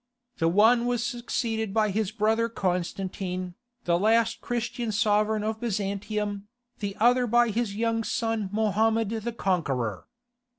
The one was succeeded by his brother Constantine, the last Christian sovereign of Byzantium, the other by his young son Mohammed the Conqueror.